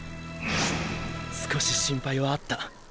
少し心配はあった。